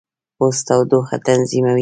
پوست تودوخه تنظیموي.